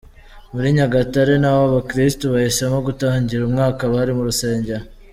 Muri Nyagatare naho abakristu bahisemo gutangira umwaka bari mu rusengero.